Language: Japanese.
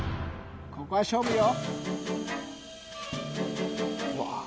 ここが勝負よ・